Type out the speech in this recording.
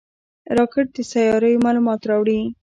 راکټ د سیارویو معلومات راوړي